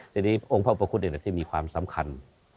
ทีนี้องค์พระอุปกรุธเองคือที่มีความสำคัญ